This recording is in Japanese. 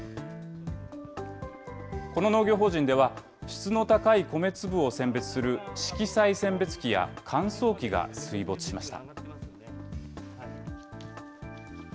この農業法人では、質の高い米粒を選別する色彩選別機や乾燥機が水没しました。